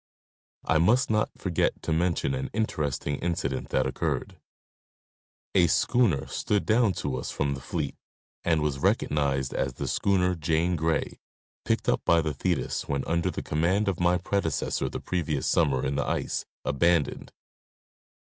I must not forget to mention an interesting incident that occurred. A schooner stood down to us from the fleet, and was recognized as the schooner Jane Grey, picked up by the Thetis when under the command of my predecessor the previous summer in the ice—abandoned.